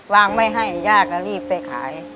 ไม่ให้ย่าก็รีบไปขาย